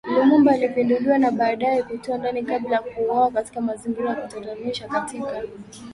Lumumba alipinduliwa na baadaye kutiwa ndani kabla ya kuuawa katika mazingira ya kutatanisha katika